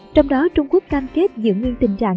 trong đó trung quốc cam kết giữ nguyên tình trạng